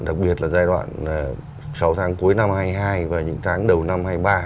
đặc biệt là giai đoạn sáu tháng cuối năm hai nghìn hai mươi hai và những tháng đầu năm hai nghìn hai mươi ba